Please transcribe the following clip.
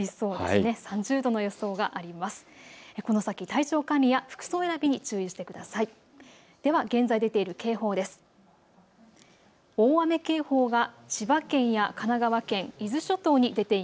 この先、体調管理や服装選びに注意してください。